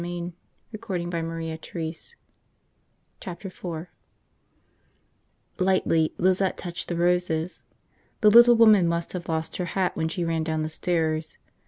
In the moonlight the roses were gray. Chapter Four LIGHTLY, Lizette touched the roses. The little woman must have lost her hat when she ran down the stairs.